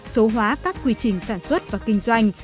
số hóa các quy trình sản xuất và kinh doanh